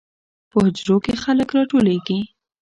په حجرو کې خلک راټولیږي.